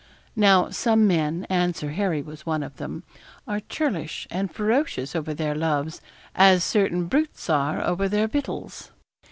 Now some men and Sir Harry was of them are churlish and ferocious over their loves, as certain brutes are over their victuals.